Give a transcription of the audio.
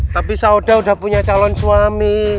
tapi sauda udah punya calon suami